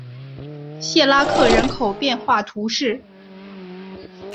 谢拉克人口变化图示